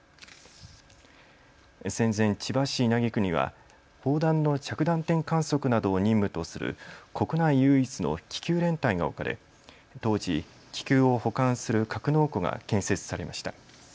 戦前、千葉市稲毛区には砲弾の着弾点観測などを任務とする国内唯一の気球連隊が置かれ当時、気球を保管する格納庫が建設されました。